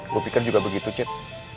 gue pikir juga begitu chit